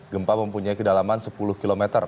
gempa mempunyai kedalaman sepuluh km